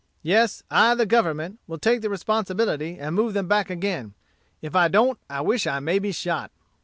Yes, I the Government, will take the responsibility, and move them back again. If I don't I wish I may be shot."